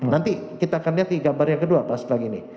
nanti kita akan lihat di gambar yang kedua pas pagi ini